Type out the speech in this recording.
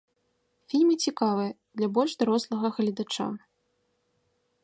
Фільмы цікавыя, для больш дарослага гледача.